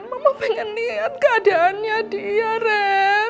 mama pengen liat keadaannya dia ren